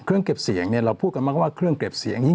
เครื่องเก็บเสียงเนี่ยเราพูดกันมากว่าเครื่องเก็บเสียงนี้